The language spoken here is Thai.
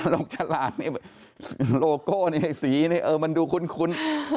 ลูกฉลาดโลโก้นี้มันดูคุ้น